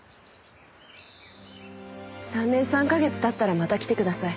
３年３か月経ったらまた来てください。